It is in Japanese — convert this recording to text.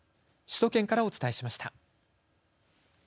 首都圏からお伝えしました。